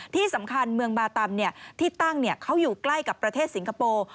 ที่สำคัญเมืองบาตำที่ตั้งเขาอยู่ใกล้กับประเทศสิงคโปร์